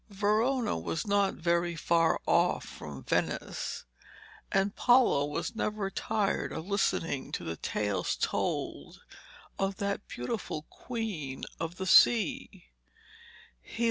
Verona was not very far off from Venice, and Paolo was never tired of listening to the tales told of that beautiful Queen of the Sea.